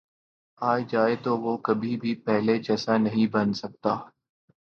آ جائے تو وہ کبھی بھی پہلے جیسا نہیں بن سکتا